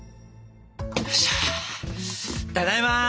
ただいま。